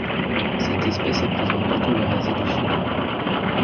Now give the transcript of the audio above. Cette espèce est présente partout en Asie du sud.